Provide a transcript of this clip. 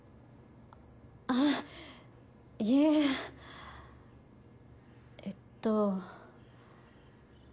ああいええっと。